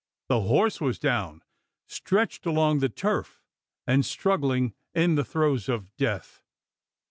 The horse was down stretched along the turf, and struggling in the throes of death!